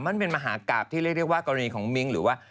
มันเป็นมหากราบที่เรียกว่ากรณีของมิ้งหรือว่า